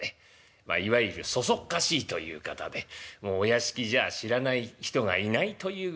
まあいわゆるそそっかしいという方でもうお屋敷じゃ知らない人がいないというぐらいの有名人でして。